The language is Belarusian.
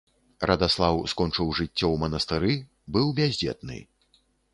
Радаслаў скончыў жыццё ў манастыры, быў бяздзетны.